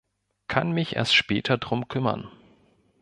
Kann mich erst später drum kümmern.